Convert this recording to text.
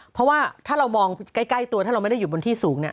เพราะว่าถ้าเรามองใกล้ตัวถ้าเราไม่ได้อยู่บนที่สูงเนี่ย